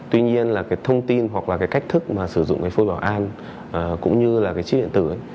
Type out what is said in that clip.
tuy nhiên là cái thông tin hoặc là cái cách thức mà sử dụng cái phe bảo an cũng như là cái chip điện tử ấy